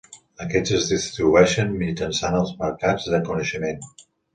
Aquests es distribueixen mitjançant els mercats de coneixement.